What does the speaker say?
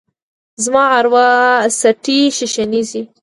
زما اروا څټي ششنیږې